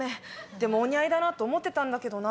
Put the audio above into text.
でもお似合いだと思ってたんだけどな。